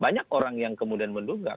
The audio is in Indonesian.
banyak orang yang kemudian menduga